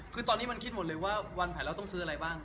คือตอนนี้มันคิดหมดเลยว่าวันแผนเราต้องซื้ออะไรบ้าง